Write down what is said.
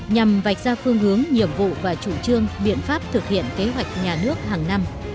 nhằm vạch ra phương hướng nhiệm vụ và chủ trương biện pháp thực hiện kế hoạch nhà nước hàng năm